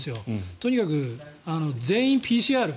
とにかく全員ＰＣＲ。